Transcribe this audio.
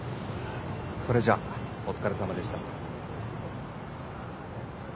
それじゃお疲れさまでした。